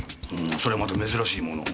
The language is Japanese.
それはまた珍しいものを。